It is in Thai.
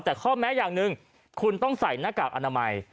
แต่ข้อแม้อย่างหนึ่งคุณต้องใส่หน้ากากอนามัย